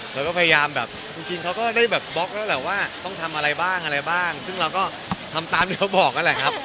เราก็พยายามแบบจริงเขาก็ได้แบบบล็อกแล้วแหละว่าต้องทำอะไรบ้างอะไรบ้างซึ่งเราก็ทำตามที่เขาบอกนั่นแหละครับ